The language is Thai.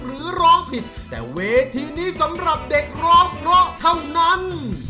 และรอบที่๔ระชั่นทีม